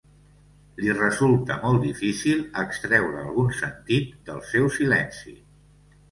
Li resulta molt difícil extreure algun sentit del seu silenci.